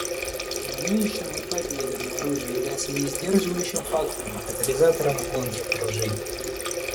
На нынешнем этапе ядерное оружие является не сдерживающим фактором, а катализатором гонки вооружений.